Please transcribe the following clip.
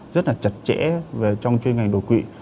rất là chặt chẽ về trong chuyên ngành đột quỵ